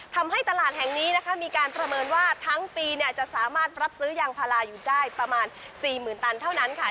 ทำให้ตลาดแห่งนี้นะคะมีการประเมินว่าทั้งปีเนี่ยจะสามารถรับซื้อยางพาราอยู่ได้ประมาณ๔๐๐๐ตันเท่านั้นค่ะ